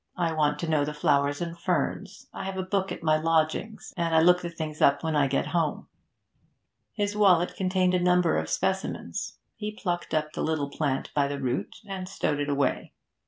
I want to know the flowers and ferns. I have a book at my lodgings, and I look the things up when I get home.' His wallet contained a number of specimens; he plucked up the little plant by the root, and stowed it away.